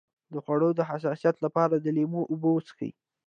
د خوړو د حساسیت لپاره د لیمو اوبه وڅښئ